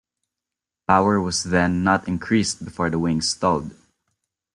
Power was then not increased before the wings stalled.